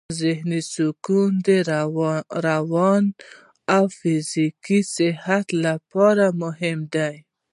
ذهني سکون د رواني او فزیکي صحت لپاره مهم دی.